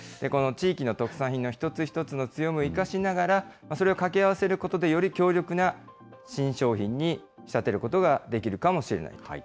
この地域の特産品の一つ一つの強みを生かしながら、それを掛け合わせることで、より強力な新商品に仕立てることができるかもしれない。